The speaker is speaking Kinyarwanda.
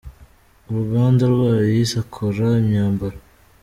uruganda rwayo yise Akora imyambaro.